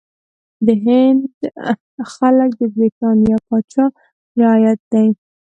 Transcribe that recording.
د هند خلک د برټانیې پاچا رعیت دي.